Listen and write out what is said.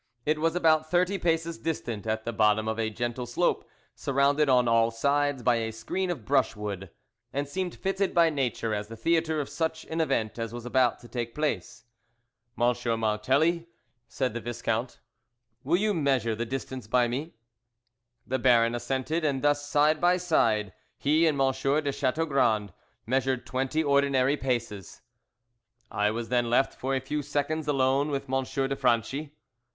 It was about thirty paces distant, at the bottom of a gentle slope surrounded on all sides by a screen of brushwood, and seemed fitted by nature as the theatre of such an event as was about to take place. "M. Martelli," said the Viscount, "will you measure the distance by me?" The Baron assented, and thus side by side he and M. de Chateaugrand measured twenty ordinary paces. I was then left for a few seconds alone with M. de Franchi.